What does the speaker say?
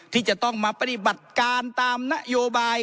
ที่จะต้องมาปฏิบัติการตามนโยบาย